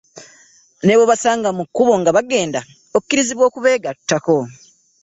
Ne bw’obasanga mu kkubo nga bagenda okkirizibwa okubeegattako.